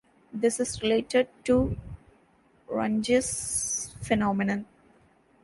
This is related to Runge's phenomenon.